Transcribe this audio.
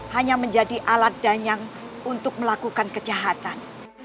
hanya menjadi alat danang untuk melakukan kejahatan